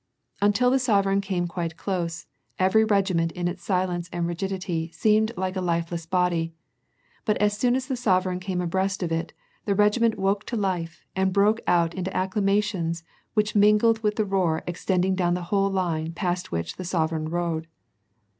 Until the sovereign came quite close, every regiment in its silence and rigidity seemed like a lifeless body, but as soon as the sovereign came abreast of it, the regiment woke to life and broke out into acclamations which mingled with tlie roar extend ing down the whole line past which the sovereign rode.